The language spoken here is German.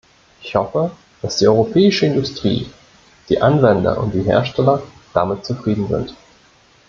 Ich hoffe, dass die europäische Industrie, die Anwender und die Hersteller damit zufrieden sind.